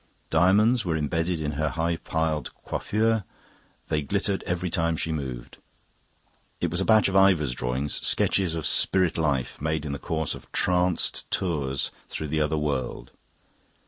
Diamonds were embedded in her high piled coiffure; they glittered every time she moved. It was a batch of Ivor's drawings sketches of Spirit Life, made in the course of tranced tours through the other world.